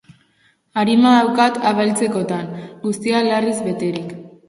Arima daukat abailtzekotan, guztia larriz beterik.